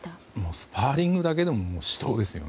スパーリングだけでも死闘ですよね。